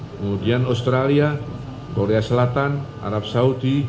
kemudian australia korea selatan arab saudi